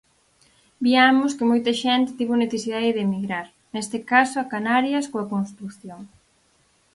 Viamos que moita xente tivo necesidade de emigrar, neste caso a Canarias coa construción.